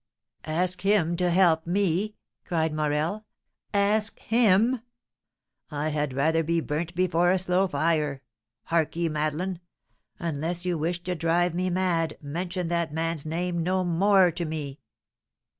"Ask him to help me!" cried Morel. "Ask him! I had rather be burnt before a slow fire. Hark ye, Madeleine! Unless you wish to drive me mad, mention that man's name no more to me."